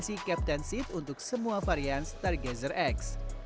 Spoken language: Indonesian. di sini ada juga opsi captain seat untuk semua varian stargazer x